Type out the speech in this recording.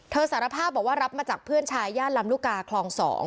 สารภาพบอกว่ารับมาจากเพื่อนชายย่านลำลูกกาคลอง๒